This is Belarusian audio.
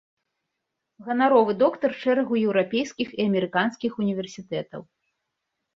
Ганаровы доктар шэрагу еўрапейскіх і амерыканскіх універсітэтаў.